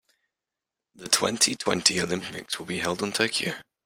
The twenty-twenty Olympics will be held in Tokyo.